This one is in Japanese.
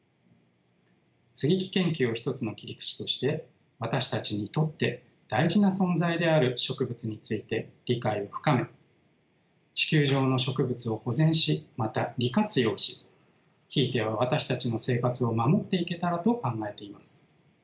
接ぎ木研究を一つの切り口として私たちにとって大事な存在である植物について理解を深め地球上の植物を保全しまた利活用しひいては私たちの生活を守っていけたらと考えています。